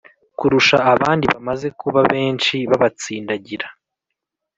kurusha abandi, Bamaze kuba benshi babatsindagira